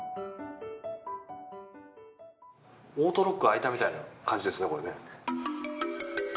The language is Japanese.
オートロック開いたみたいな感じですね。